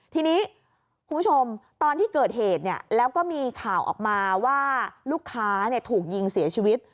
ทีนี้คุณผู้ชมตอนที่เกิดเหตุแล้วก็มีข่าวออกมาว่าลูกค้าถูกยิงเสียชีวิต